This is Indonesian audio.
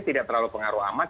tidak terlalu pengaruh amat